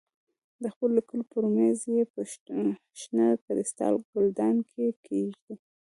د خپلو لیکلو پر مېز یې په شنه کریسټال ګلدان کې کېږدې.